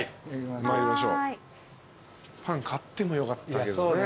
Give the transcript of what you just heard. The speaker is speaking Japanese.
パン買ってもよかったけどね